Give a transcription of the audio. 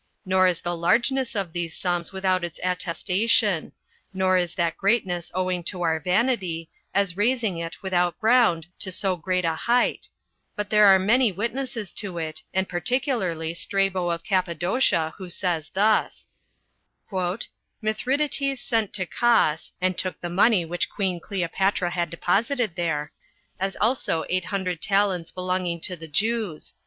Nor is the largeness of these sums without its attestation; nor is that greatness owing to our vanity, as raising it without ground to so great a height; but there are many witnesses to it, and particularly Strabo of Cappadocia, who says thus: "Mithridates sent to Cos, and took the money which queen Cleopatra had deposited there, as also eight hundred talents belonging to the Jews."